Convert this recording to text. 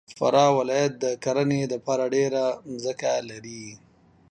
فراه ولایت د کرهنې دپاره ډېره مځکه لري.